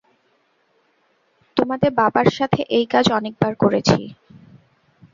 তোমাদের বাবার সাথে এই কাজ অনেকবার করেছি।